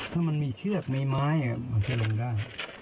ถ้ามันมีเชือกมีไม้มันจะลงได้